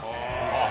あっ